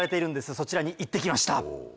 そちらに行って来ました。